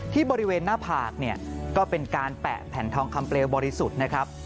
ที่บริเวณหน้าผากเนี่ยก็เป็นการแปะแผ่นทองคำเปลวบริสุทธิ์นะครับ